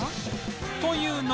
という